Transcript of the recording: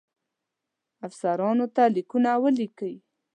افسرانو ته لیکونه ولیکي.